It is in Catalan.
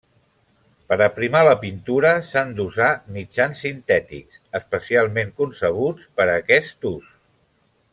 Per aprimar la pintura s'han d'usar mitjans sintètics, especialment concebuts per a aquest ús.